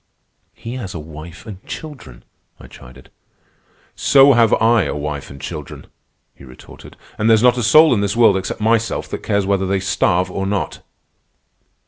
"He has a wife and children," I chided. "So have I a wife and children," he retorted. "And there's not a soul in this world except myself that cares whether they starve or not."